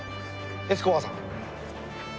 エスコバーさん。